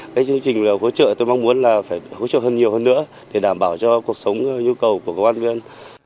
cái chương trình hỗ trợ tôi mong muốn là phải hỗ trợ hơn nhiều hơn nữa để đảm bảo cho cuộc sống nhu cầu của công an nhân dân